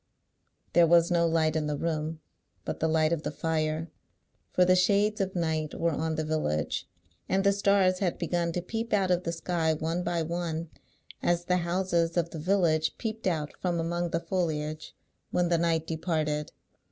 There was no light in the room but the light of the fire; for the shades of night were on the village, and the stars had begun to peep out of the sky one by one, as the houses of the village peeped out from among the foliage when the night departed.